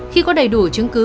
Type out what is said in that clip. khi có đầy đủ chứng cứ